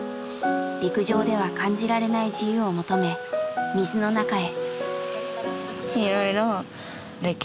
陸上では感じられない自由を求め水の中へ。